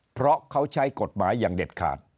เพราะเขาใช้กฎหมายอย่างเด็ดขาด